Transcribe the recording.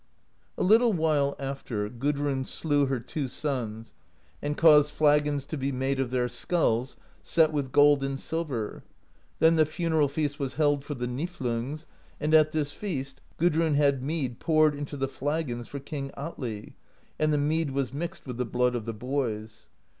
["A little while after, Gudriin slew her two sons, and caused flagons to be made of their skulls, set with gold and silver. Then the funeral feast was held for the Niflungs; and at this feast Gudriin had mead poured into the flagons for King Atli, and the mead was mixed with the blood of the boys.